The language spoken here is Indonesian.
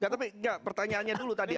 tidak pertanyaannya dulu tadi